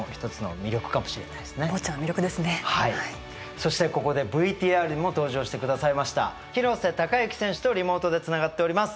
そしてここでＶＴＲにも登場してくださいました廣瀬隆喜選手とリモートでつながっております。